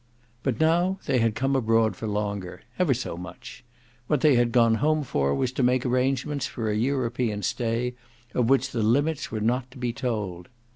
But now they had come abroad for longer ever so much: what they had gone home for was to make arrangements for a European stay of which the limits were not to be told.